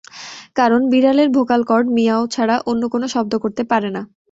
কারণ বিড়ালের vocal cord মিয়াও ছাড়া অন্য কোনো শব্দ করতে পারে না।